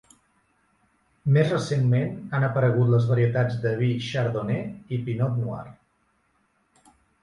Més recentment, han aparegut les varietats de vi Chardonnay i Pinot noir.